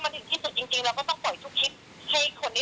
ถูกต้องขอให้พูดมีสิ่งที่ถูกต้องฟ้าไม่กลัวเนี่ยครูก็เหมือนกัน